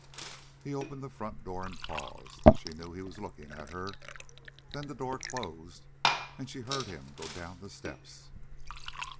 He opened the front door and paused. She knew he was looking at her. Then the door closed and she heard him go down the steps.